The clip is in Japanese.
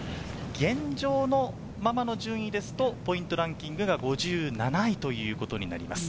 現状のままの順位ですとポイントランキングが５７位ということになります。